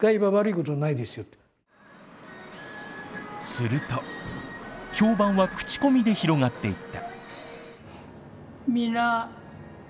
すると評判は口コミで広がっていった。